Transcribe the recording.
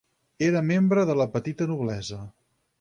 Era membre de la petita noblesa.